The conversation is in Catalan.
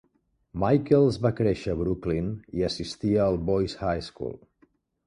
Michaels va créixer a Brooklyn i assistia al Boys High School.